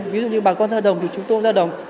ví dụ như bà con gia đồng thì chúng tôi cũng gia đồng